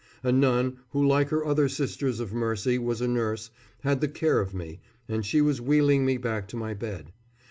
A nun, who like her other sisters of mercy was a nurse, had the care of me, and she was wheeling me back to my bed.